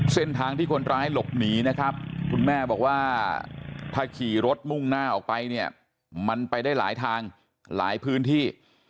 เส้นทางที่คนร้ายหลบหนีนะครับคุณแม่บอกว่าถ้าขี่รถมุ่งหน้าออกไปเนี่ยมันไปได้หลายทางหลายพื้นที่